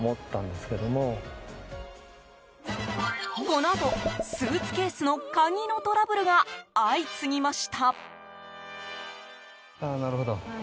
このあと、スーツケースの鍵のトラブルが相次ぎました。